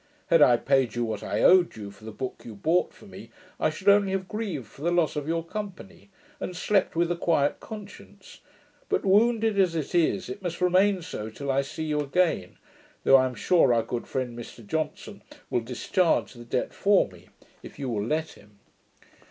Had I payed you what I owed you, for the book you bought for me, I should only have grieved for the loss of your company, and slept with a quiet conscience; but, wounded as it is, it must remain so till I see you again, though I am sure our good friend Mr Johnson will discharge the debt for me, if you will let him.